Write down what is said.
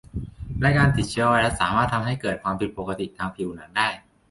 และการติดเชื้อไวรัสสามารถทำให้เกิดความผิดปกติทางผิวหนังได้